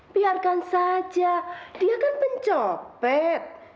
biarkan saja dia kan pencopet